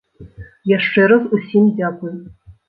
Яшчэ раз усім дзякуй.